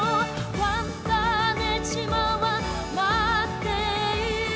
「ファンターネ島は待っている」